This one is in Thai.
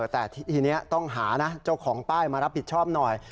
แต่ทีนี้ต้องหานะเจ้าของป้ายมารับผิดชอบหน่อย